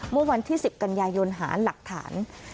เมื่อวันที่๑๐กันยายนหาหลักฐาน